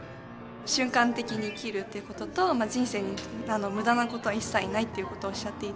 瞬間的に生きるっていうことと人生に無駄なことは一切ないっていうことをおっしゃっていて。